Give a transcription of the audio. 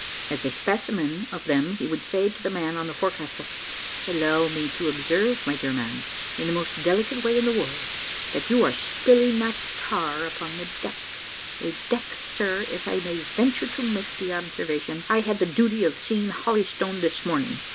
As a specimen of them, he would say to the man on the forecastle, "Allow me to observe, my dear man, in the most delicate way in the world, that you are spilling that tar upon the deck a deck, sir, if I may venture to make the observation, I had the duty of seeing holystoned this morning.